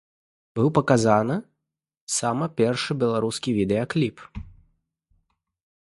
Быў паказаны сама першы беларускі відэакліп.